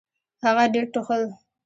هغه ډېر ټوخل .